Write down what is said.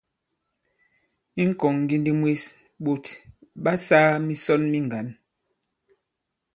I ŋ̀kɔ̀ŋŋgindi mwes, ɓòt ɓa sāā misɔn mi ŋgǎn.